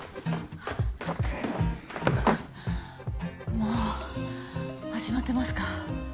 もう始まってますか？